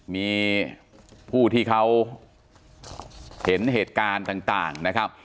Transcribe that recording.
มีผู้ที่เขาเห็นเหตุการณ์ต่างนะครับ